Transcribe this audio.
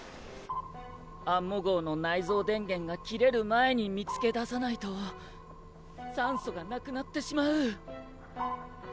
アンモ号の内蔵電源が切れる前に見つけ出さないと酸素がなくなってしまう。